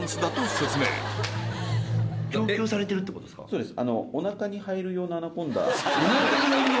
そうです。